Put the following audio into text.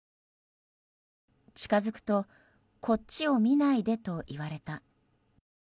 近づくとこっちを見ないでと言われた。